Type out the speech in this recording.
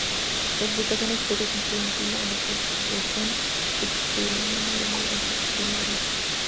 Clasificaciones previas incluían "Pila" en el suborden Textulariina del orden Textulariida.